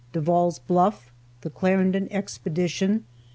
DEVALL'S BLUFF; THE CLARENDON EXPEDITION.